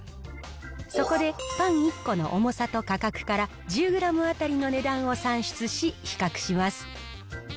そこで、パン１個の重さと価格から１０グラム当たりの値段を算出し、比較します。